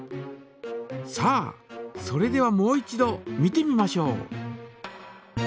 さあそれではもう一度見てみましょう。